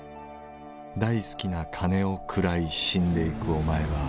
「大好きな金を食らい死んでいくお前は」